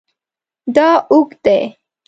دا اوږد دی